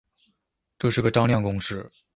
这是个张量公式。